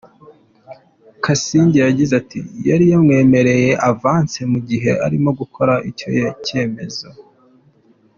Kasinga yagize ati:“Yari yamwemereye ‘avance’ mu gihe arimo gukora icyo cyemezo.